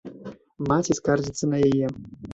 Маці скардзіцца на яе.